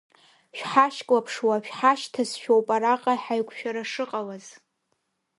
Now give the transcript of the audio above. Шәҳашьклаԥшуа шәҳашьҭазшәоуп араҟа ҳаиқәшәара шыҟалаз…